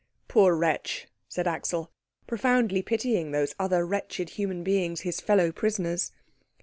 "Poor wretch," said Axel, profoundly pitying those other wretched human beings, his fellow prisoners.